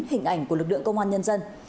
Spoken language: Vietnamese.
hình ảnh của lực lượng công an nhân dân